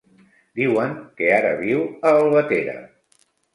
Diuen que ara viu a Albatera.